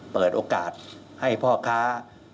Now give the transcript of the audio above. เปิดโอกาสให้พ่อค้า